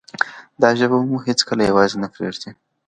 دا ژبه به مو هیڅکله یوازې نه پریږدي.